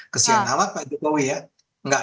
kesian awak pak jokowi ya